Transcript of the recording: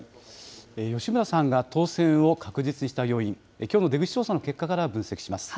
吉村さんが当選を確実にした要因、きょうの出口調査の結果から分析します。